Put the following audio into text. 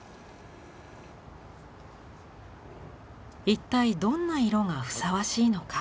一体どんな色がふさわしいのか。